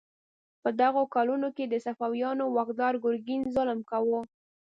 په دغو کلونو کې د صفویانو واکدار ګرګین ظلم کاوه.